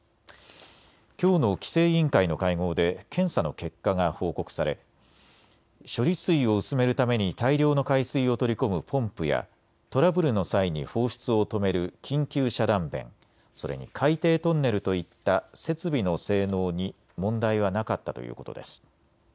きょうの規制委員会の会合で検査の結果が報告され処理水を薄めるために大量の海水を取り込むポンプやトラブルの際に放出を止める緊急遮断弁、それに海底トンネルといった設備の性能に問題はなかったということです。